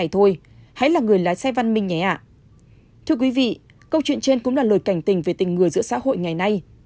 thưa quý vị câu chuyện trên cũng là lời cảnh tình về tình người giữa xã hội ngày nay